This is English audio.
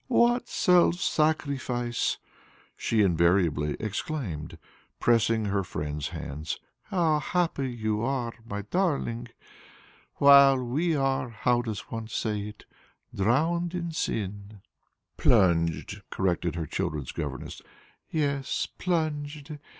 "What self sacrifice!" she invariably exclaimed, pressing her friend's hands. "How happy you are, my darling! while we are how does one say it? drowned in sin." "Plunged," corrected her children's governess. "Yes, plunged.